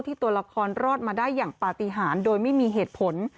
ตัวละครรอดมาได้อย่างปฏิหารโดยไม่มีเหตุผล